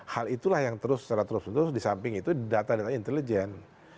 hal itulah yang terus secara terus terus di samping itu didata dengan intelijen